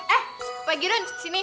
eh pak girun sini